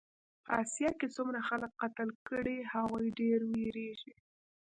په اسیا کې څومره خلک قتل کړې هغوی ډېر وېرېږي.